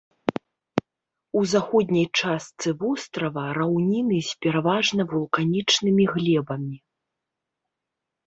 У заходняй частцы вострава раўніны з пераважна вулканічнымі глебамі.